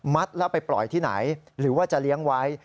แล้วไปปล่อยที่ไหนหรือว่าจะเลี้ยงไว้